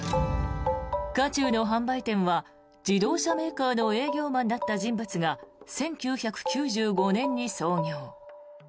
渦中の販売店は自動車メーカーの営業マンだった人物が１９９５年に創業。